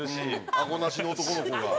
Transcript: あごなしの男の子が。